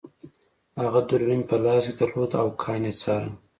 هغه دوربین په لاس کې درلود او کان یې څاره